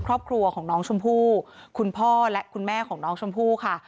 ครอบครัวของน้องชมพู่คุณพ่อและคุณแม่ของน้องชมพู่ค่ะ